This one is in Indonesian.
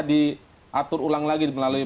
diatur ulang lagi melalui